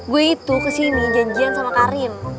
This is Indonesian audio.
gue itu kesini janjian sama karin